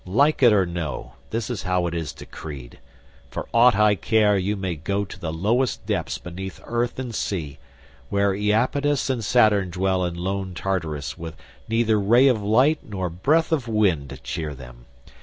Like it or no, this is how it is decreed; for aught I care, you may go to the lowest depths beneath earth and sea, where Iapetus and Saturn dwell in lone Tartarus with neither ray of light nor breath of wind to cheer them.